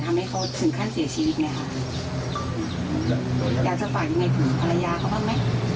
มาหลายาเขาบ้างไหม